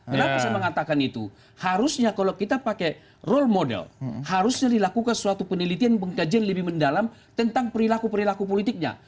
kenapa saya mengatakan itu harusnya kalau kita pakai role model harusnya dilakukan suatu penelitian pengkajian lebih mendalam tentang perilaku perilaku politiknya